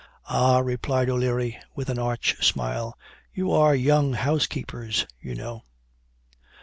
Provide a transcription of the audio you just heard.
"Ah!" replied O'Leary, with an arch smile, "you are young housekeepers, you know."